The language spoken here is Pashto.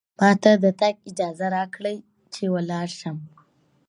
ما ته د تګ اجازه راکړئ، چې ولاړ شم.